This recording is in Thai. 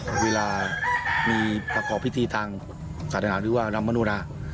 ก็เวลาประกอบพิธีทางศาสนาหรือรำมะโนรา